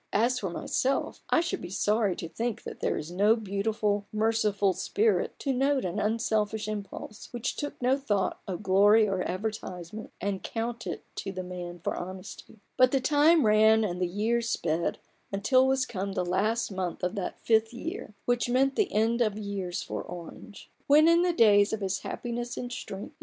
As for myself, I should be sorry to think that there is no beautiful, merciful, Spirit to note an unselfish impulse, which took no thought of glory or advertisement, and count it to the man for honesty. But the time ran, and the years sped, until was come the last month of that fifth year, which meant the end of years for Orange. When in the days of his happiness and strength, he 46 A BOOK OF BARGAINS.